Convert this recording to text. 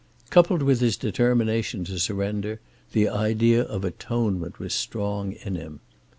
Coupled with his determination to surrender, the idea of atonement was strong in him.